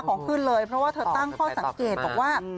ของขึ้นเลยเพราะว่าเธอตั้งข้อสังเกตบอกว่า